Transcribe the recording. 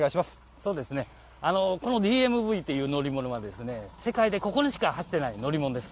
そうですね、このＤＭＶという乗り物は、世界でここにしか走ってない乗り物です。